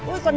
ui con này